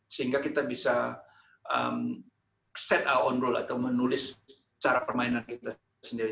sehingga kita bisa set our own rule atau menulis cara permainan kita sendiri